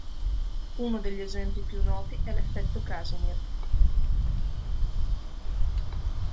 Uno degli esempi più noti è l'effetto Casimir.